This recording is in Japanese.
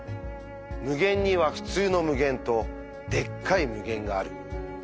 無限には「ふつうの無限」と「でっかい無限」がある。